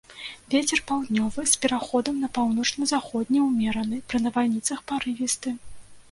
Вецер паўднёвы з пераходам на паўночна-заходні ўмераны, пры навальніцах парывісты.